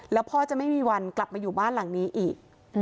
แล้วพ่อจะไม่มีวันกลับมาอยู่บ้านหลังนี้อีก